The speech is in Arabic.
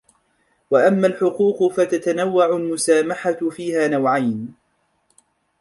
وَأَمَّا الْحُقُوقُ فَتَتَنَوَّعُ الْمُسَامَحَةُ فِيهَا نَوْعَيْنِ